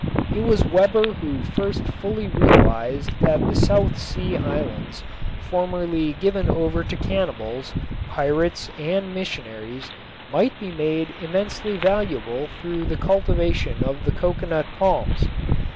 It was Weber who first fully realized that the South Sea islands, formerly given over to cannibals, pirates and missionaries, might be made immensely valuable through the cultivation of the coconut palms.